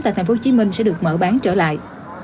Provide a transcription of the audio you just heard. tại tp hcm sẽ được mở bán trở lại